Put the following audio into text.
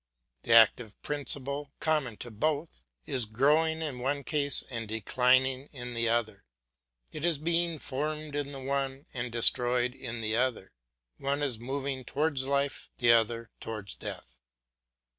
The active principle, common to both, is growing in one case and declining in the other; it is being formed in the one and destroyed in the other; one is moving towards life, the other towards death.